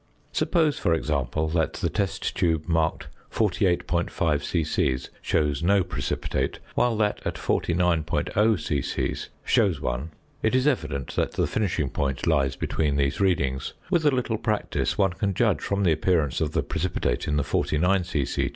Suppose, for example, that the test tube marked 48.5 c.c. shows no precipitate, while that at 49.0 c.c. shows one, it is evident that the finishing point lies between these readings. With a little practice, one can judge from the appearance of the precipitate in the 49 c.c.